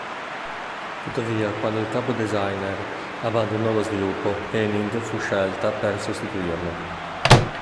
Tuttavia, quando il capo-designer abbandonò lo sviluppo, Hennig fu scelta per sostituirlo.